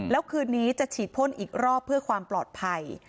แล้วคืนนี้จะฉีดพ่นอีกรอบเพื่อความปลอดภัย